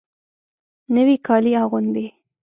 نوي کالي اغوندې